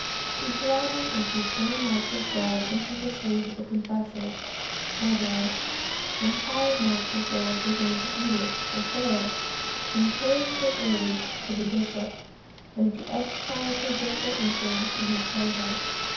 He gladly emptied twenty marks of gold into the sleeve of the Confessor, (Edward,) and five marks of gold presented to Edith, the Fair, encouraged her to aid the bishop, and to exercise her gentle influence in his favor.